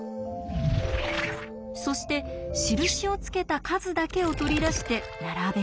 そして印をつけた数だけを取り出して並べます。